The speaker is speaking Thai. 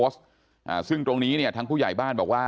ซึ่งตรงนี้ทั้งผู้ใหญ่บ้านบอกว่า